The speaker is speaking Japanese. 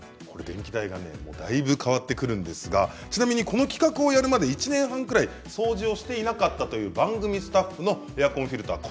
電気代がだいぶ変わってくるんですがちなみにこの企画をやるまで１年半くらい掃除をしていなかったという番組スタッフのエアコンフィルター